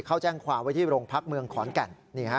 เขาแจ้งความไว้ที่โรงพักเมืองขอนแก่น